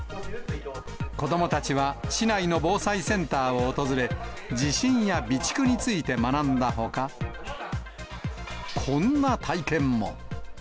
子どもたちは市内の防災センターを訪れ、地震や備蓄について学んだほか、こんな体験も。